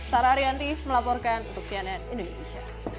tara arianti melaporkan untuk tnn indonesia